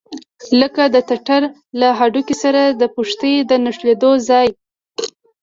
لکه د ټټر له هډوکي سره د پښتۍ د نښلېدلو ځای.